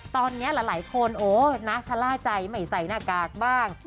ตอนนี้หลายคนโอ้นะชะล่าใจไม่ใส่หน้ากากบ้าง